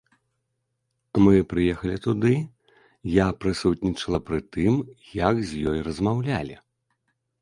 Мы прыехалі туды, я прысутнічала пры тым, як з ёй размаўлялі.